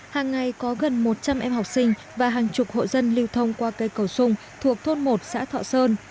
hàng ngày có gần một trăm linh em học sinh và hàng chục hộ dân lưu thông qua cây cầu sung thuộc thôn một xã thọ sơn